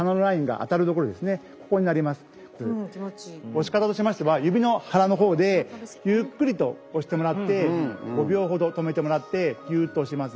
押し方としましては指の腹の方でゆっくりと押してもらって５秒ほど止めてもらってギュッと押します。